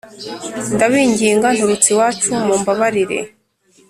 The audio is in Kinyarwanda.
Ndabinginga nturutse iwacu mumbabarire